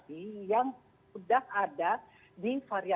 to abdurrahman sebelum kita carinya